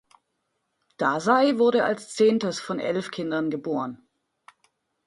Dazai wurde als zehntes von elf Kindern geboren.